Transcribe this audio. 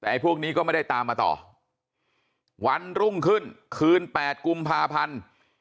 แต่พวกนี้ก็ไม่ได้ตามมาต่อวันรุ่งขึ้นคืนแปดกุมภาพันธ์